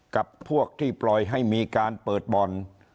กับพวกที่ปล่อยให้มีการเปิดบ่อน